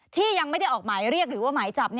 ที่ยังไม่ได้ออกหมายเรียกหรือว่าหมายจับ